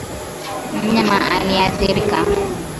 Mnyama aliyeathirika